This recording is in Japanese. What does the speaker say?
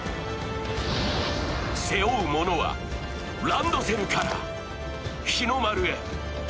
背負うものはランドセルから、日の丸へ。